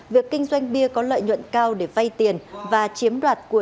việc kinh doanh bia có lợi nhuận cao để vay tiền và chiếm đoạt của